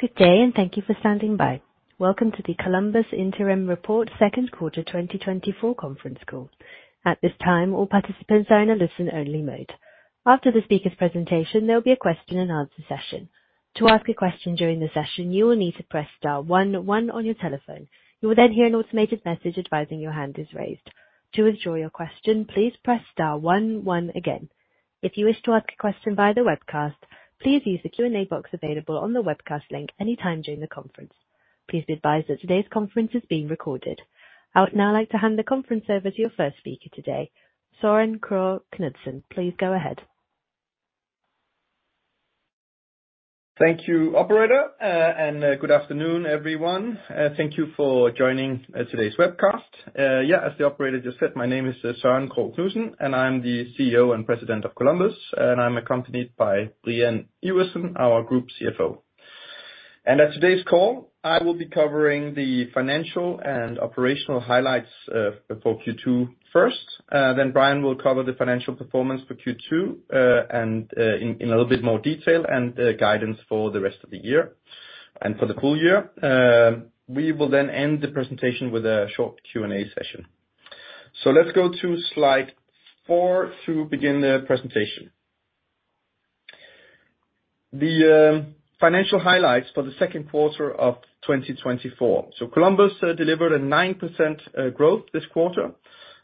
Good day, and thank you for standing by. Welcome to the Columbus Interim Report second quarter 2024 conference call. At this time, all participants are in a listen-only mode. After the speaker's presentation, there will be a question-and-answer session. To ask a question during the session, you will need to press star one one on your telephone. You will then hear an automated message advising your hand is raised. To withdraw your question, please press star one one again. If you wish to ask a question via the webcast, please use the Q&A box available on the webcast link anytime during the conference. Please be advised that today's conference is being recorded. I would now like to hand the conference over to your first speaker today, Søren Krogh Knudsen. Please go ahead. Thank you, operator, and good afternoon, everyone. Thank you for joining today's webcast. Yeah, as the operator just said, my name is Søren Krogh Knudsen, and I'm the CEO and President of Columbus, and I'm accompanied by Brian Iversen, our group CFO. And at today's call, I will be covering the financial and operational highlights for Q2 first. Then Brian will cover the financial performance for Q2, and in a little bit more detail and the guidance for the rest of the year and for the full year. We will then end the presentation with a short Q&A session. So let's go to slide four to begin the presentation. The financial highlights for the second quarter of 2024. Columbus delivered a 9% growth this quarter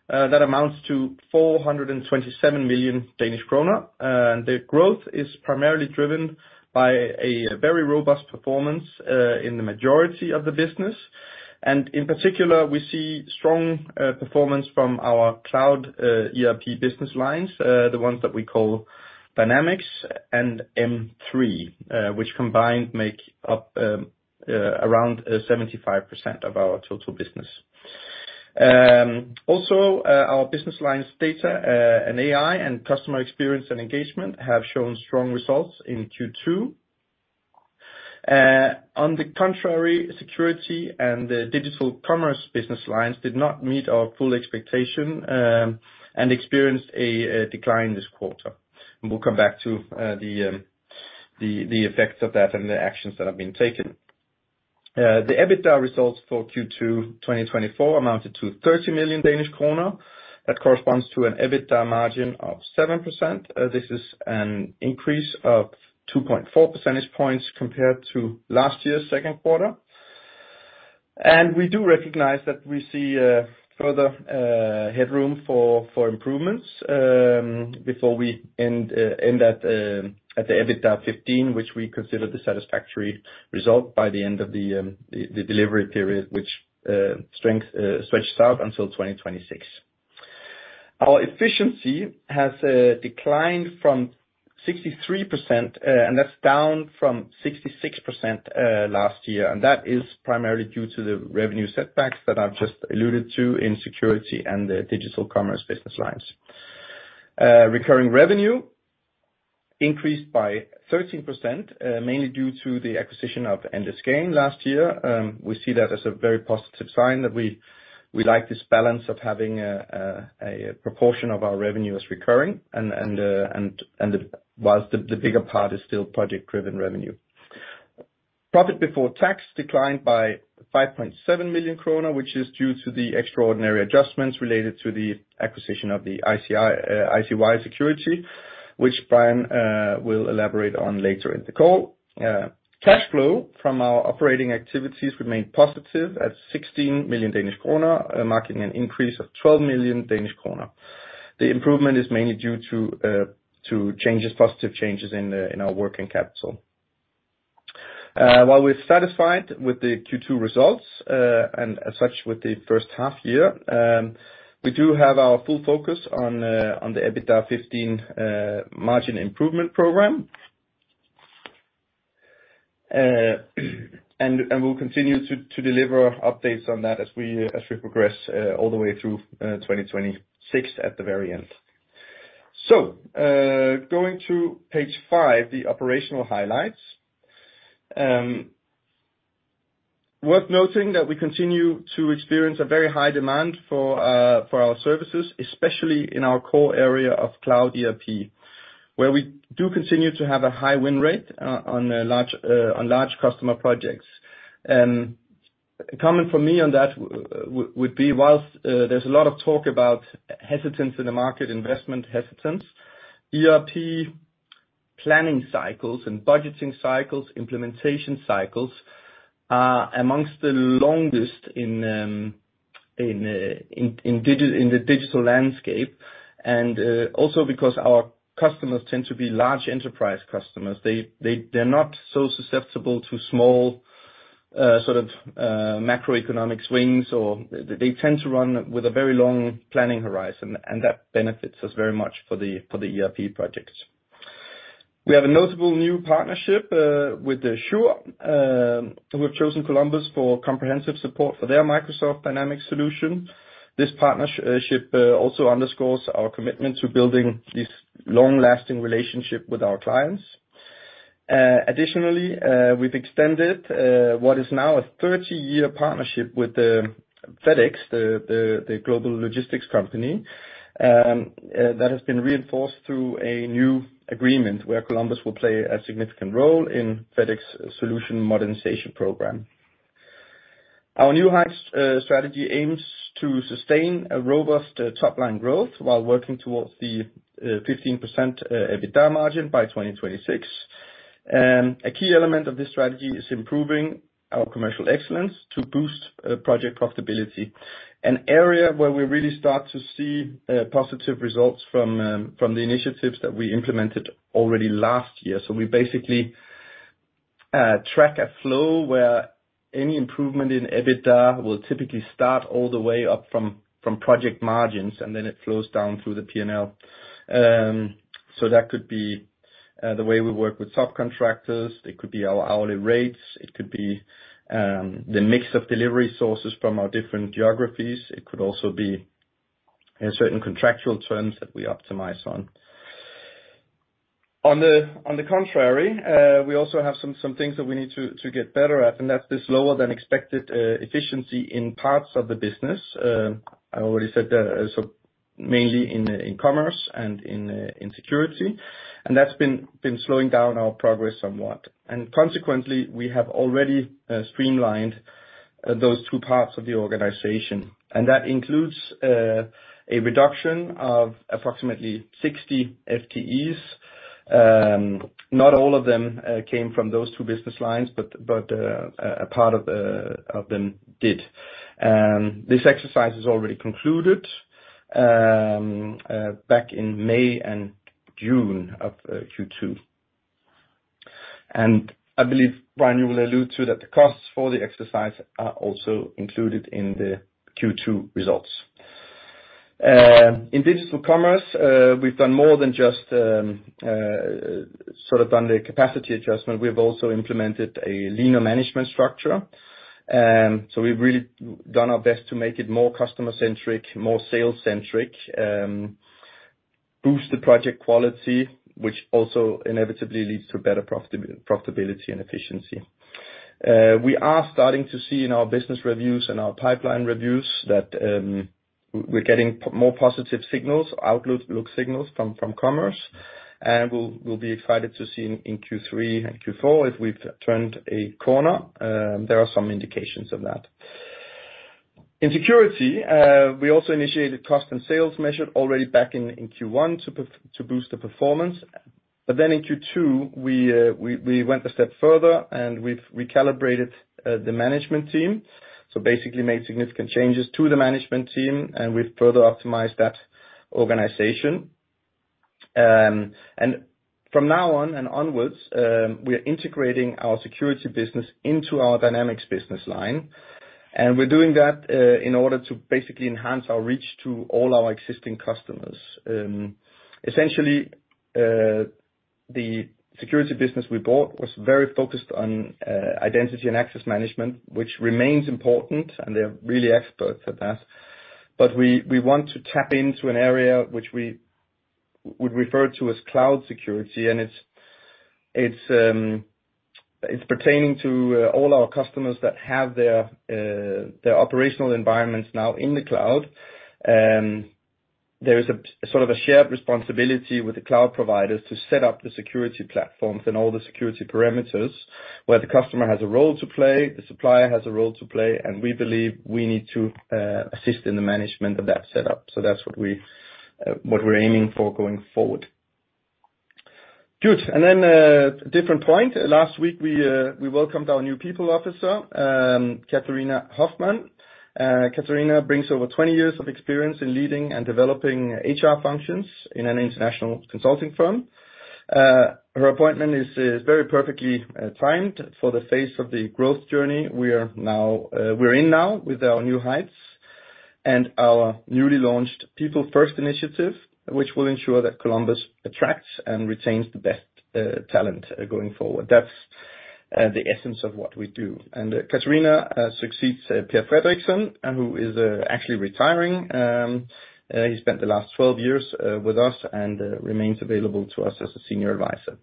that amounts to 427 million Danish krone, and the growth is primarily driven by a very robust performance in the majority of the business. In particular, we see strong performance from our cloud ERP business lines, the ones that we call Dynamics and M3, which combined make up around 75% of our total business. Also, our business lines, Data and AI and Customer Experience and Engagement, have shown strong results in Q2. On the contrary, Security and the Digital Commerce business lines did not meet our full expectation and experienced a decline this quarter. We'll come back to the effects of that and the actions that have been taken. The EBITDA results for Q2 2024 amounted to 30 million Danish kroner. That corresponds to an EBITDA margin of 7%. This is an increase of 2.4 percentage points compared to last year's second quarter, and we do recognize that we see further headroom for improvements before we end at the EBITDA15, which we consider the satisfactory result by the end of the delivery period, which stretches out until 2026. Our efficiency has declined from 63%, and that's down from 66% last year, and that is primarily due to the revenue setbacks that I've just alluded to in Security and the Digital Commerce business lines. Recurring revenue increased by 13%, mainly due to the acquisition of Endless Gain last year. We see that as a very positive sign, that we like this balance of having a proportion of our revenue as recurring and whilst the bigger part is still project-driven revenue. Profit before tax declined by 5.7 million kroner, which is due to the extraordinary adjustments related to the acquisition of ICY Security, which Brian will elaborate on later in the call. Cash flow from our operating activities remained positive at 16 million Danish kroner, marking an increase of 12 million Danish kroner. The improvement is mainly due to changes, positive changes in our working capital. While we're satisfied with the Q2 results, and as such, with the first half year, we do have our full focus on the EBITDA15 margin improvement program, and we'll continue to deliver updates on that as we progress all the way through 2026 at the very end. Going to page five, the operational highlights. Worth noting that we continue to experience a very high demand for our services, especially in our core area of cloud ERP, where we do continue to have a high win rate on large customer projects. Comment from me on that would be, whilst there's a lot of talk about hesitance in the market, investment hesitance, ERP planning cycles and budgeting cycles, implementation cycles are amongst the longest in the digital landscape, and also because our customers tend to be large enterprise customers, they're not so susceptible to small sort of macroeconomic swings, or they tend to run with a very long planning horizon, and that benefits us very much for the ERP projects. We have a notable new partnership with Schur who have chosen Columbus for comprehensive support for their Microsoft Dynamics solution. This partnership also underscores our commitment to building these long-lasting relationship with our clients. Additionally, we've extended what is now a 30 year partnership with FedEx, the global logistics company that has been reinforced through a new agreement, where Columbus will play a significant role in FedEx solution modernization program. Our New Heights strategy aims to sustain a robust top-line growth while working towards the 15% EBITDA margin by 2026. A key element of this strategy is improving our commercial excellence to boost project profitability. An area where we really start to see positive results from the initiatives that we implemented already last year. We basically track a flow where any improvement in EBITDA will typically start all the way up from project margins, and then it flows down through the P&L. So that could be the way we work with subcontractors, it could be our hourly rates, it could be the mix of delivery sources from our different geographies, it could also be in certain contractual terms that we optimize on. On the contrary, we also have some things that we need to get better at, and that's this lower-than-expected efficiency in parts of the business. I already said that, so mainly in Commerce and in Security, and that's been slowing down our progress somewhat, and consequently, we have already streamlined those two parts of the organization, and that includes a reduction of approximately 60 FTEs. Not all of them came from those two business lines, but a part of them did. This exercise is already concluded back in May and June of Q2, and I believe, Brian, you will allude to that the costs for the exercise are also included in the Q2 results. In Digital Commerce, we've done more than just sort of done the capacity adjustment, we've also implemented a leaner management structure. So we've really done our best to make it more customer-centric, more sales-centric, boost the project quality, which also inevitably leads to better profitability and efficiency. We are starting to see in our business reviews and our pipeline reviews that we're getting more positive signals, outlooks, signals from commerce, and we'll be excited to see in Q3 and Q4 if we've turned a corner. There are some indications of that. In Security, we also initiated cost and sales measure already back in Q1 to boost the performance. But then in Q2, we went a step further, and we've recalibrated the management team. So basically made significant changes to the management team, and we've further optimized that organization, and from now on and onwards, we are integrating our Security business into our Dynamics business line, and we're doing that in order to basically enhance our reach to all our existing customers. Essentially, the Security business we bought was very focused on identity and access management, which remains important, and they're really experts at that. But we want to tap into an area which we would refer to as Cloud Security, and it's pertaining to all our customers that have their operational environments now in the cloud. There is a sort of a shared responsibility with the cloud providers to set up the security platforms and all the security parameters, where the customer has a role to play, the supplier has a role to play, and we believe we need to assist in the management of that setup. So that's what we're aiming for going forward. Good. And then different point. Last week, we welcomed our new people officer, Karina Hoffmann. Karina brings over 20 years of experience in leading and developing HR functions in an international consulting firm. Her appointment is very perfectly timed for the phase of the growth journey we are now in with our New Heights and our newly launched People First initiative, which will ensure that Columbus attracts and retains the best talent going forward. That's the essence of what we do, and Karina succeeds Per Fredriksson, who is actually retiring. He spent the last 12 years with us, and remains available to us as a senior advisor.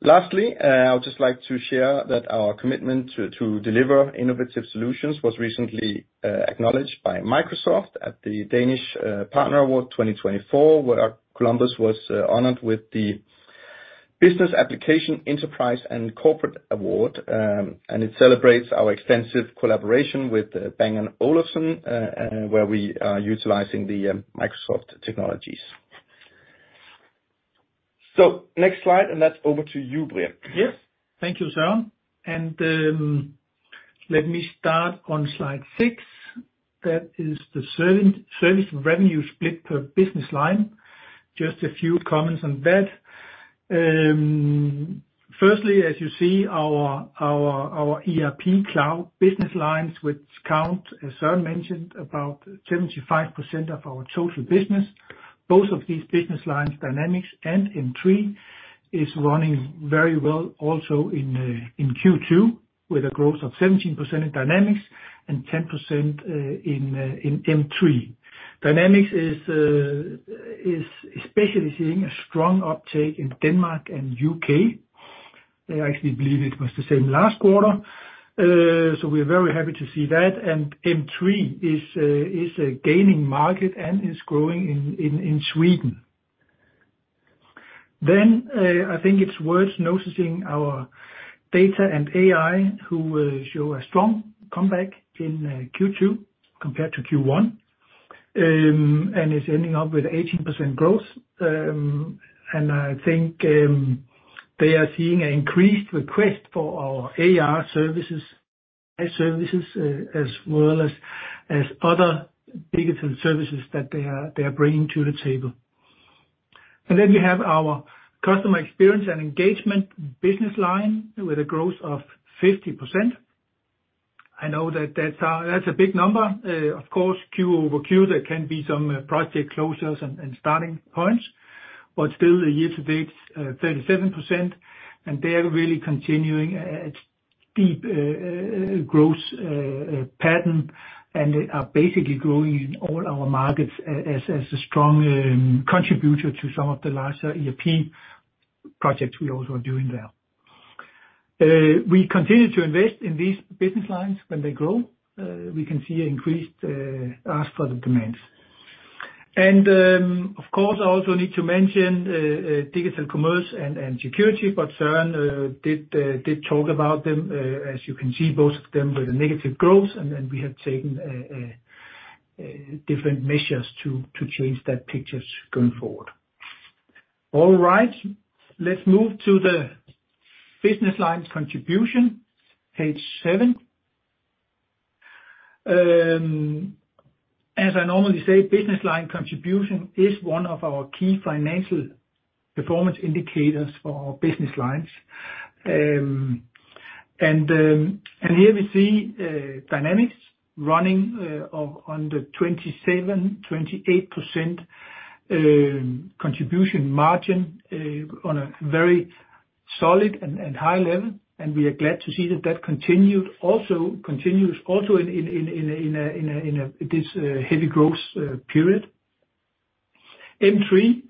Lastly, I would just like to share that our commitment to deliver innovative solutions was recently acknowledged by Microsoft at the Danish Partner Award 2024, where Columbus was honored with the Business Application Enterprise and Corporate Award. And it celebrates our extensive collaboration with Bang & Olufsen, where we are utilizing the Microsoft technologies. So next slide, and that's over to you, Brian. Yes. Thank you, Søren, and let me start on slide six. That is the service revenue split per business line. Just a few comments on that. Firstly, as you see, our ERP Cloud business lines, which count, as Søren mentioned, about 75% of our total business, both of these business lines, Dynamics and M3, is running very well also in Q2, with a growth of 17% in Dynamics and 10% in M3. Dynamics is especially seeing a strong uptake in Denmark and U.K.. I actually believe it was the same last quarter. So we are very happy to see that, and M3 is a gaining market and is growing in Sweden. Then, I think it's worth noticing our Data and AI, who will show a strong comeback in Q2 compared to Q1. And it's ending up with 18% growth. And I think they are seeing an increased request for our AI services as well as other digital services that they are bringing to the table. And then we have our Customer Experience and Engagement business line, with a growth of 50%. I know that that's a big number. Of course, Q over Q, there can be some project closures and starting points, but still the year-to-date 37%, and they are really continuing a steep growth pattern, and they are basically growing in all our markets as a strong contributor to some of the larger ERP projects we also are doing there. We continue to invest in these business lines when they grow, we can see increased ask for the demands, and of course, I also need to mention Digital Commerce and Security, but Søren did talk about them. As you can see, both of them with a negative growth, and then we have taken different measures to change that pictures going forward. All right. Let's move to the business lines contribution, page seven. As I normally say, business line contribution is one of our key financial performance indicators for our business lines. And here we see Dynamics running on the 27%-28% contribution margin on a very solid and high level, and we are glad to see that that continues also in this heavy growth period. M3,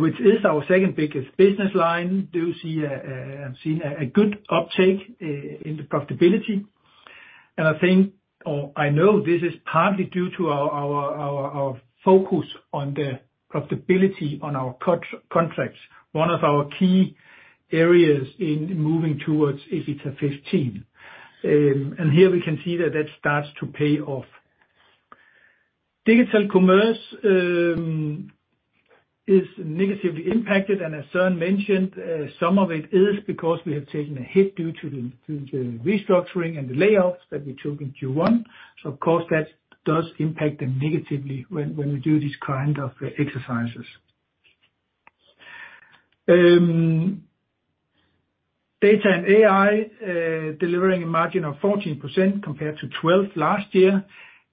which is our second biggest business line, do see a good uptake in the profitability. And I think, or I know this is partly due to our focus on the profitability on our contracts, one of our key areas in moving towards EBITDA15. And here we can see that that starts to pay off. Digital Commerce, is negatively impacted, and as Søren mentioned, some of it is because we have taken a hit due to the restructuring and the layoffs that we took in Q1. So of course, that does impact them negatively when we do these kind of exercises. Data and AI, delivering a margin of 14% compared to 12% last year.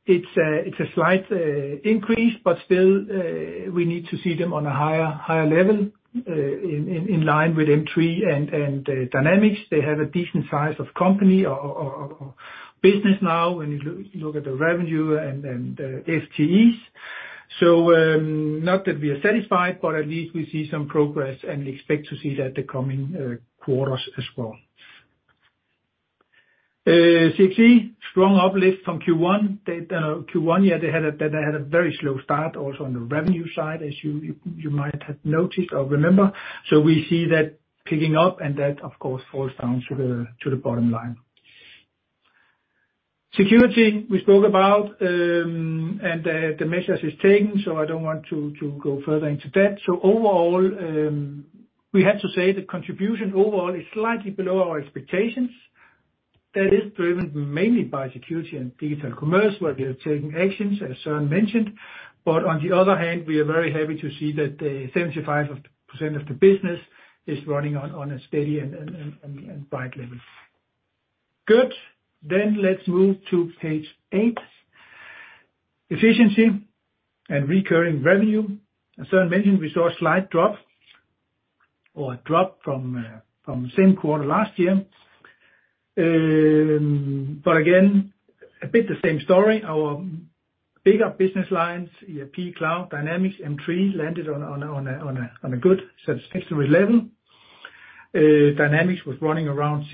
It's a slight increase, but still, we need to see them on a higher level, in line with M3 and Dynamics. They have a decent size of company or business now, when you look at the revenue and FTEs. So, not that we are satisfied, but at least we see some progress, and we expect to see that the coming quarters as well. CE, strong uplift from Q1. They, Q1, yeah, they had a very slow start, also on the revenue side, as you might have noticed or remember. So we see that picking up, and that, of course, falls down to the bottom line. Security, we spoke about, and the measures is taken, so I don't want to go further into that. So overall, we have to say the contribution overall is slightly below our expectations. That is driven mainly by Security and Digital Commerce, where we are taking actions, as Søren mentioned. But on the other hand, we are very happy to see that the 75% of the business is running on a steady and bright level. Good. Then let's move to page eight, efficiency and recurring revenue. As Søren mentioned, we saw a slight drop, or a drop from the same quarter last year. But again, a bit the same story. Our bigger business lines, ERP, Cloud, Dynamics, M3, landed on a good satisfactory level. Dynamics was running around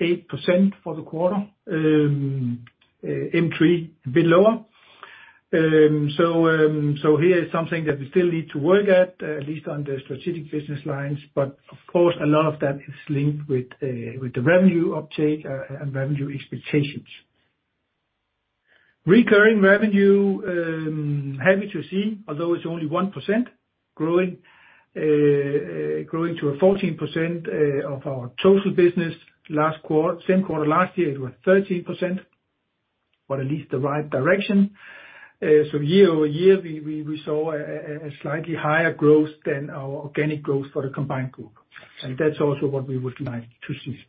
68% for the quarter, M3 below. So here is something that we still need to work at, at least on the strategic business lines, but of course, a lot of that is linked with the revenue uptake, and revenue expectations. Recurring revenue, happy to see, although it's only 1% growing, growing to a 14% of our total business last quarter. Same quarter last year, it was 13%, but at least the right direction. So year-over-year, we saw a slightly higher growth than our organic growth for the combined group, and that's also what we would like to see.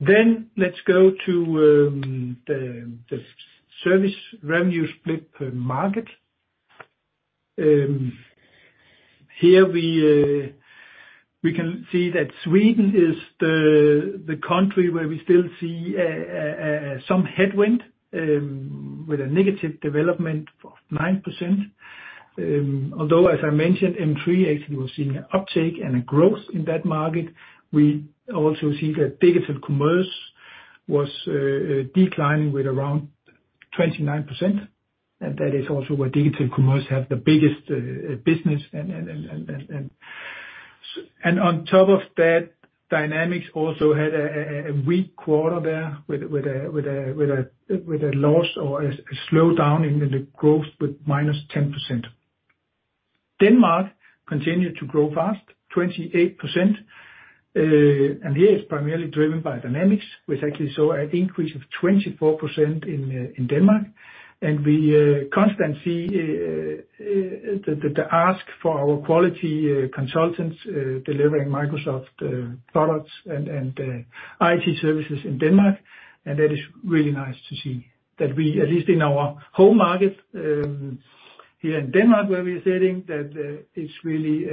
Then let's go to the service revenue split per market. Here we can see that Sweden is the country where we still see some headwind with a negative development of 9%. Although, as I mentioned, M3 actually, we're seeing an uptake and a growth in that market. We also see that Digital Commerce was declining with around 29%, and that is also where Digital Commerce have the biggest business. On top of that, Dynamics also had a weak quarter there with a loss or a slowdown in the growth with -10%. Denmark continued to grow fast, 28%, and here it's primarily driven by Dynamics, which actually saw an increase of 24% in Denmark. And we constantly see the ask for our quality consultants delivering Microsoft products and IT services in Denmark. And that is really nice to see, that we, at least in our home market, here in Denmark, where we are sitting, that it's really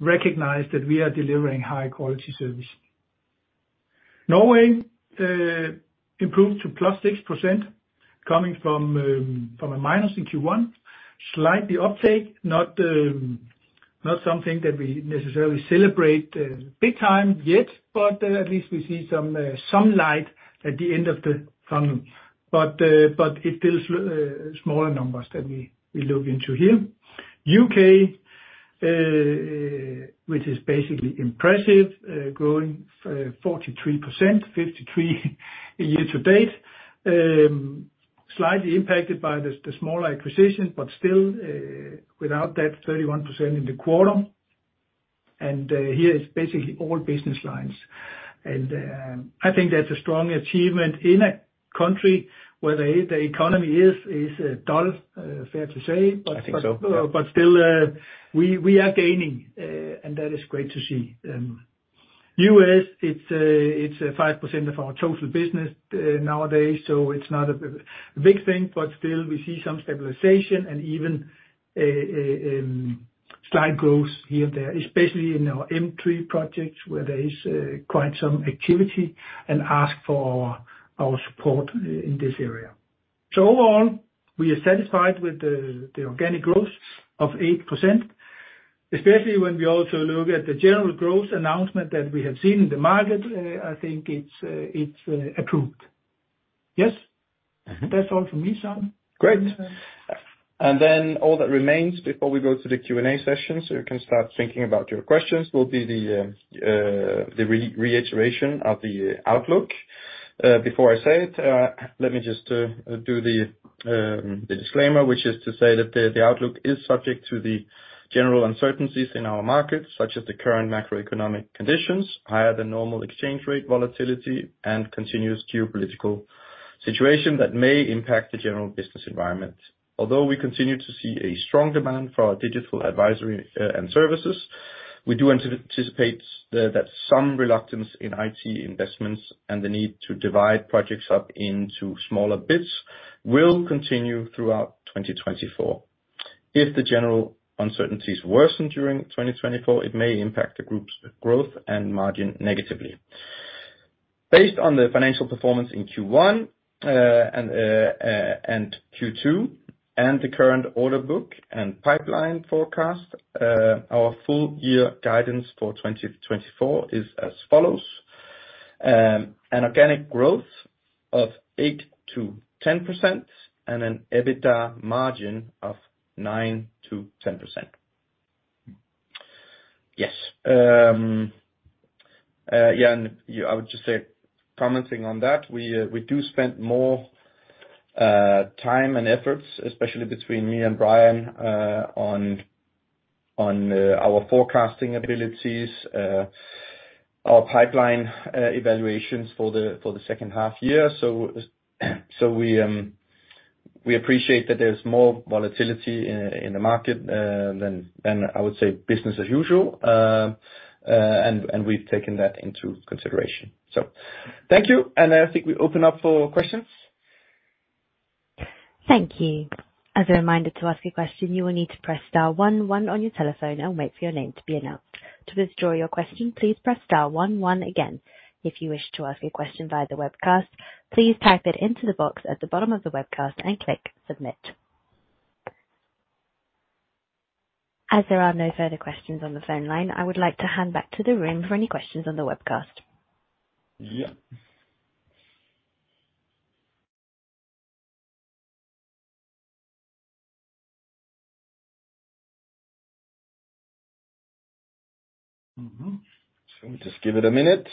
recognized that we are delivering high-quality service. Norway improved to +6%, coming from a minus in Q1. Slight uptake, not something that we necessarily celebrate big time yet, but at least we see some sunlight at the end of the tunnel. But it is smaller numbers that we look into here. U.K., which is basically impressive, growing 43%, 53% year to date. Slightly impacted by the smaller acquisition, but still without that 31% in the quarter, and here it's basically all business lines. And I think that's a strong achievement in a country where the economy is dull, fair to say? I think so. But still, we are gaining, and that is great to see. U.S., it's 5% of our total business nowadays, so it's not a big thing, but still we see some stabilization and even a slight growth here and there, especially in our M3 projects, where there is quite some activity and ask for our support in this area. So overall, we are satisfied with the organic growth of 8%, especially when we also look at the general growth announcement that we have seen in the market. I think it's approved. Yes? Mm-hmm. That's all from me, Søren. Great. And then all that remains before we go to the Q&A session, so you can start thinking about your questions, will be the reiteration of the outlook. Before I say it, let me just do the disclaimer, which is to say that the outlook is subject to the general uncertainties in our markets, such as the current macroeconomic conditions, higher-than-normal exchange rate volatility, and continuous geopolitical situation that may impact the general business environment. Although we continue to see a strong demand for our digital advisory and services, we do anticipate that some reluctance in IT investments and the need to divide projects up into smaller bits will continue throughout 2024. If the general uncertainties worsen during 2024, it may impact the group's growth and margin negatively. Based on the financial performance in Q1 and Q2, and the current order book and pipeline forecast, our full-year guidance for 2024 is as follows: an organic growth of 8%-10% and an EBITDA margin of 9%-10%. Yes. I would just say, commenting on that, we do spend more time and efforts, especially between me and Brian, on our forecasting abilities, our pipeline evaluations for the second half year. So we appreciate that there's more volatility in the market than I would say business as usual. And we've taken that into consideration. So thank you, and I think we open up for questions. Thank you. As a reminder, to ask a question, you will need to press star one, one on your telephone and wait for your name to be announced. To withdraw your question, please press star one, one again. If you wish to ask a question via the webcast, please type it into the box at the bottom of the webcast and click Submit. As there are no further questions on the phone line, I would like to hand back to the room for any questions on the webcast. Yeah. Mm-hmm. So just give it a minute.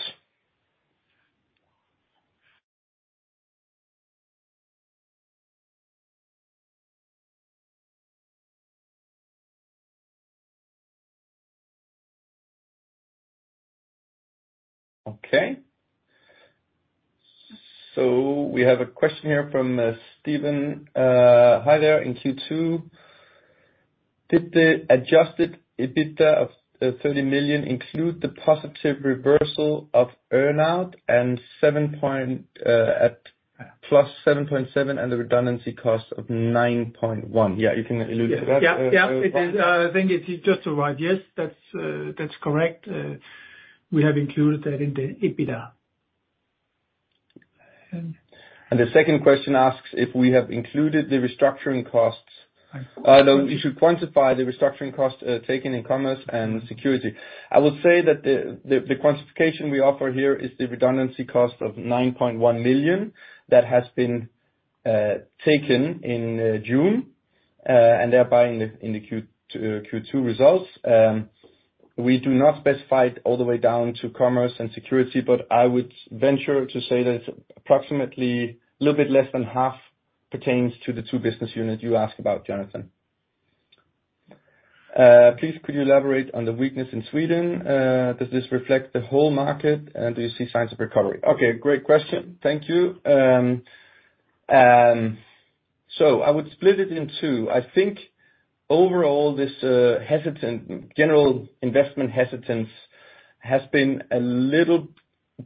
Okay. So we have a question here from Steven: "Hi there. In Q2, did the adjusted EBITDA of 30 million include the positive reversal of earn-out and 7.7 at +7.7 and the redundancy cost of 9.1?" Yeah, you can allude to that. Yeah. Yeah, it is. I think it is just right. Yes, that's correct. We have included that in the EBITDA.... And the second question asks if we have included the restructuring costs. No, you should quantify the restructuring costs taken in Commerce and Security. I would say that the quantification we offer here is the redundancy cost of 9.1 million that has been taken in June and thereby in the Q2 results. We do not specify it all the way down to Commerce and Security, but I would venture to say that approximately a little bit less than half pertains to the two business units you asked about, Jonathan. Please, could you elaborate on the weakness in Sweden? Does this reflect the whole market, and do you see signs of recovery? Okay, great question. Thank you. And so I would split it in two. I think overall, this hesitant, general investment hesitance has been a little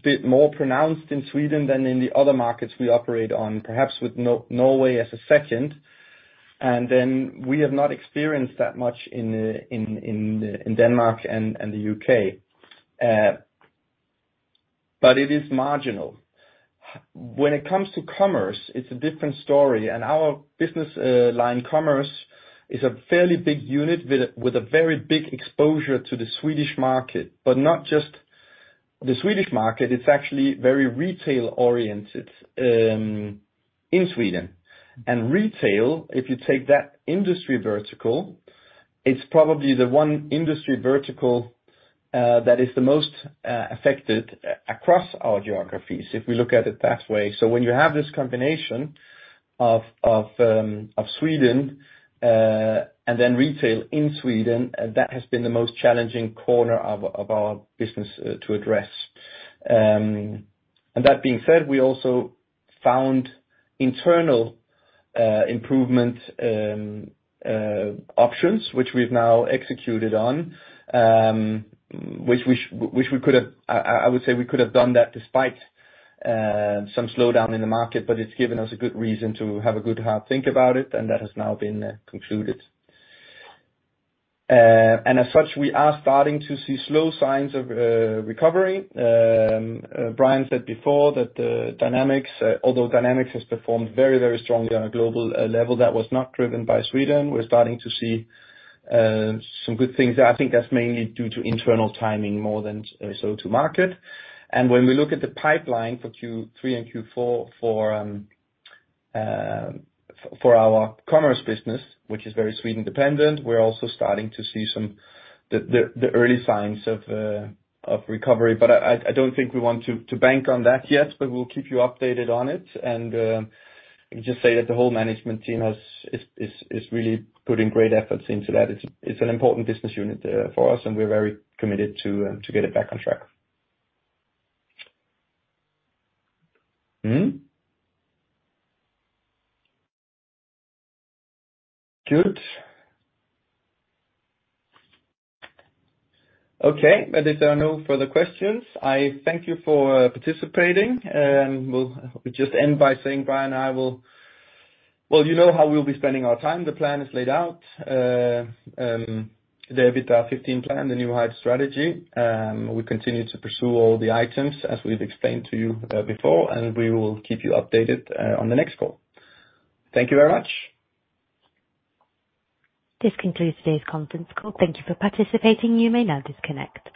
bit more pronounced in Sweden than in the other markets we operate on, perhaps with Norway as a second. And then we have not experienced that much in Denmark and the U.K. But it is marginal. When it comes to commerce, it's a different story, and our business line commerce, is a fairly big unit with a very big exposure to the Swedish market. But not just the Swedish market, it's actually very retail-oriented in Sweden. And retail, if you take that industry vertical, it's probably the one industry vertical that is the most affected across our geographies, if we look at it that way. So when you have this combination of Sweden and then retail in Sweden, that has been the most challenging corner of our business to address. And that being said, we also found internal improvement options, which we've now executed on, which we could have... I would say we could have done that despite some slowdown in the market, but it's given us a good reason to have a good, hard think about it, and that has now been concluded. And as such, we are starting to see slow signs of recovery. Brian said before that the Dynamics, although Dynamics has performed very strongly on a global level, that was not driven by Sweden. We're starting to see some good things. I think that's mainly due to internal timing more than so to market. When we look at the pipeline for Q3 and Q4 for our commerce business, which is very Sweden-dependent, we're also starting to see some of the early signs of recovery. But I don't think we want to bank on that yet, but we'll keep you updated on it. Let me just say that the whole management team is really putting great effort into that. It's an important business unit for us, and we're very committed to get it back on track. Mm-hmm. Good. Okay, but if there are no further questions, I thank you for participating, and we'll just end by saying, Brian and I will. Well, you know how we'll be spending our time. The plan is laid out. The EBITDA15 plan, the New Heights strategy, we continue to pursue all the items as we've explained to you before, and we will keep you updated on the next call. Thank you very much. This concludes today's conference call. Thank you for participating. You may now disconnect.